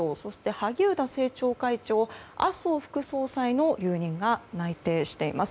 萩生田政調会長麻生副総裁の留任が内定しています。